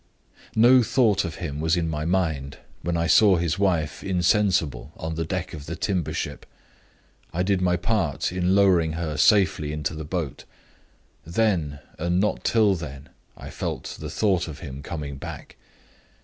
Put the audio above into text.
"No thought of him was in my mind, when I saw his wife insensible on the deck of the timber ship. I did my part in lowering her safely into the boat. Then, and not till then, I felt the thought of him coming back.